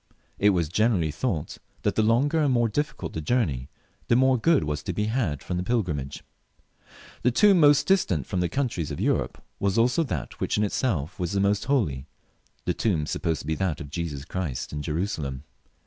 It was generally thought that the longer and more difficult the journey, the more good was to be had from the pilgrimage. The tomb most distant from the countries of Europe was also that which in itself was the most holy, the tomb of Jesus Christ in Jerusalem.